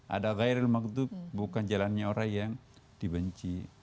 ada ghairil maghdub bukan jalannya orang yang dibenci